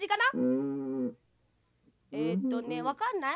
えっとねわかんない？